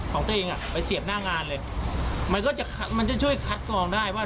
ของตัวเองอ่ะไปเสียบหน้างานเลยมันก็จะมันจะช่วยคัดกรองได้ว่า